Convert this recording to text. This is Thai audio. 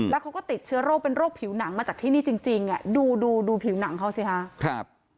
แล้วเขาก็ติดเชื้อโรคเป็นโรคผิวหนังมาจากที่นี่จริงดูดูผิวหนังเขาสิคะครับ